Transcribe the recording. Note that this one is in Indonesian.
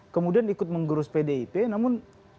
kemudian ikut menggerus pdip namun